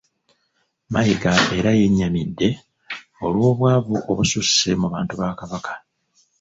Mayiga era yenyamidde olw'obwavu obususse mu bantu ba Kabaka